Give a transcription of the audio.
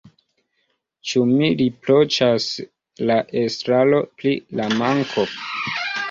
Ĉu mi riproĉas la estraron pri la manko?